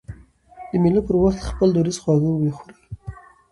د مېلو پر وخت خلک دودیز خواږه خوري.